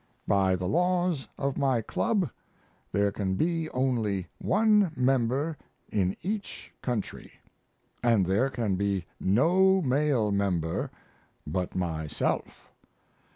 By the laws of my club there can be only one member in each country, & there can be no male member but myself.